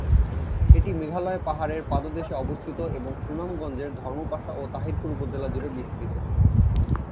এটি মেঘালয় পাহাড়ের পাদদেশে অবস্থিত এবং সুনামগঞ্জের ধর্মপাশা ও তাহিরপুর উপজেলা জুড়ে বিস্তৃত।